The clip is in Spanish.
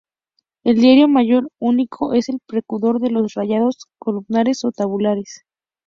El diario mayor único es el precursor de los rayados columnares o tabulares.